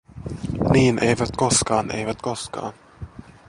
Niin, eivät koskaan, eivät koskaan.